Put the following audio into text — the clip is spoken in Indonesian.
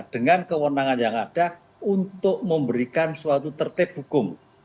dengan kewenangan yang ada untuk memberikan suatu tertib hukum